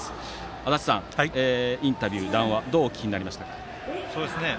足達さん、インタビュー、談話どうお聞きになりましたか。